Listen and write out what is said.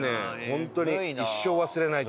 ホントに一生忘れない。